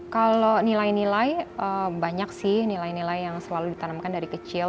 kalau nilai nilai banyak sih nilai nilai yang selalu ditanamkan dari kecil